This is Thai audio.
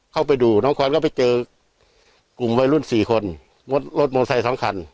เข้าไปดูน้องควันก็ไปเจอกลุ่มวัยรุ่น๔คนงดรถมอไซค์๒คัน